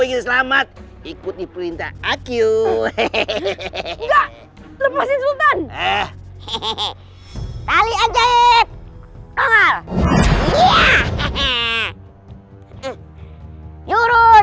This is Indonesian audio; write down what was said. ingin selamat ikuti perintah aku